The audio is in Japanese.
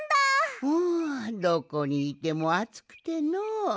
んどこにいてもあつくてのう。